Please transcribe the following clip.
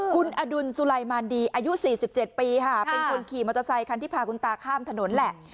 คุณอดุลสุไลมารดีอายุ๔๗ปีค่ะเป็นคนขี่มอเตอร์ไซคันที่พาคุณตาข้ามถนนแหละ